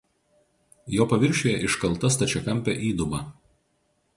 Jo paviršiuje iškalta stačiakampė įduba.